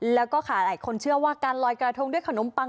แล้วก็ค่ะหลายคนเชื่อว่าการลอยกระทงด้วยขนมปัง